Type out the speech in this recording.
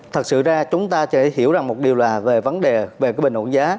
thật sự ra chúng ta sẽ hiểu rằng một điều là về vấn đề về bình ổn giá